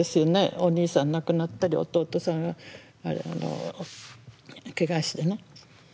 お兄さん亡くなったり弟さんがけがしてね。